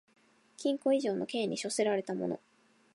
禁錮以上の刑に処せられた者